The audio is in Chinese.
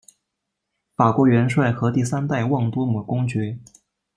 法国元帅和第三代旺多姆公爵。